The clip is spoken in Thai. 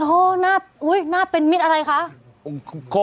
โอ้โหหน้าเป็นมิตรอะไรคะ